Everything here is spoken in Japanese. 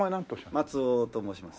松尾と申します。